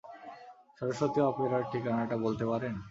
সরস্বতী অপেরার ঠিকানাটা বলতে পারেন।